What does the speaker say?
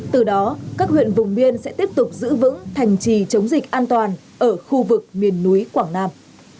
từ đó các huyện vùng biên sẽ tiếp tục giữ vững thành trì chống dịch an toàn ở khu vực miền núi quảng nam